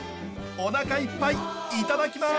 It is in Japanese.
おなかいっぱいいただきます。